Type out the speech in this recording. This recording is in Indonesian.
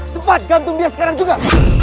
cepat gantung dia sekarang juga